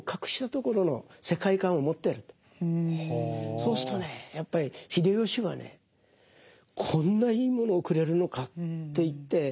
そうするとねやっぱり秀吉はねこんないいものをくれるのかっていって。